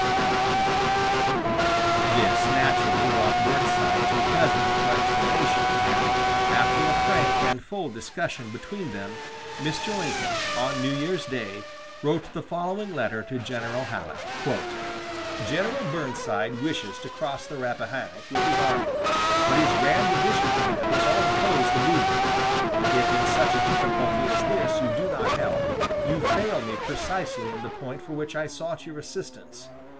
This, naturally, brought Burnside to the President for explanation, and, after a frank and full discussion between them, Mr. Lincoln, on New Year's day, wrote the following letter to General Halleck: "General Burnside wishes to cross the Rappahannock with his army, but his grand division commanders all oppose the movement. If in such a difficulty as this you do not help, you fail me precisely in the point for which I sought your assistance.